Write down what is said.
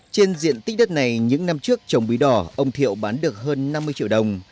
trên diện tích đất này những năm trước trồng bí đỏ ông thiệu bán được hơn năm mươi triệu đồng